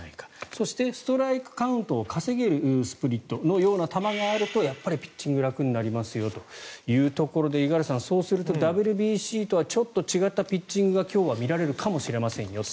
そしてストライクカウントを稼げるスプリットのような球があるとやっぱりピッチングが楽になりますよというところで五十嵐さん、そうするとＷＢＣとはちょっと違ったピッチングが今日は見られるかもしれませんよと。